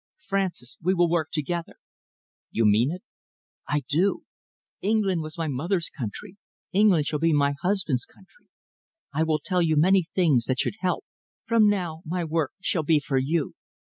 Francis, we will work together." "You mean it?" "I do, England was my mother's country, England shall be my husband's country. I will tell you many things that should help. From now my work shall be for you.